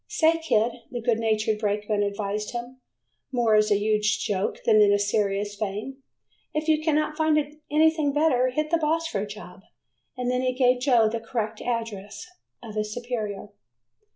"Say, kid," the good natured brakeman advised him, more as a huge joke than in a serious vein, "if you cannot find anything better, hit my boss for a job." And then he gave Joe the correct address of his superior.